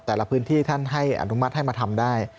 แต่ละพื้นที่ท่านให้อนุมัติให้มาทำได้